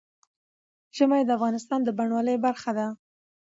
ژمی د افغانستان د بڼوالۍ برخه ده.